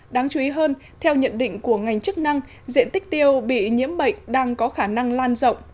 đáng chú ý hơn theo nhận định của ngành chức năng diện tích tiêu bị nhiễm bệnh đang có khả năng lan rộng